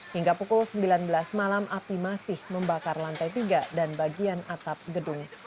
hingga pukul sembilan belas malam api masih membakar lantai tiga dan bagian atap gedung